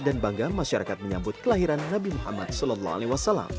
dan bangga masyarakat menyambut kelahiran nabi muhammad saw